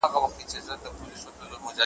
تور به خلوت وي د ریاکارو ,